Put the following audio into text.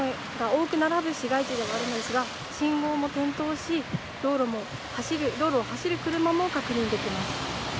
島の中でも、建物が多く並ぶ市街地でありますが信号も点灯し道路を走る車も確認できます。